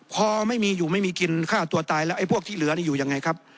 พอไม่มีอยู่ไม่มีกินฆ่าตัวตายแล้วไอ้พวกที่เหลือนี่อยู่ยังไงครับ